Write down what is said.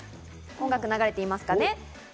音楽が流れていますかね？